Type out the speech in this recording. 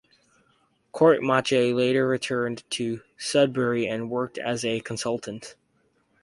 Courtemanche later returned to Sudbury and worked as a consultant.